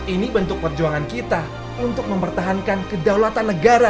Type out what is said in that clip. ini bentuk perjuangan kita untuk mempertahankan kedaulatan negara